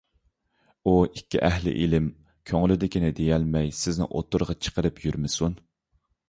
ئۇ ئىككى ئەھلى ئىلىم كۆڭلىدىكىنى دېيەلمەي سىزنى ئوتتۇرىغا چىقىرىپ يۈرمىسۇن.